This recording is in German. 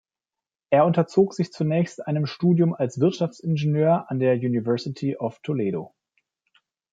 Er unterzog sich zunächst einem Studium als Wirtschaftsingenieur an der University of Toledo.